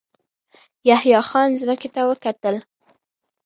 يحيی خان ځمکې ته وکتل.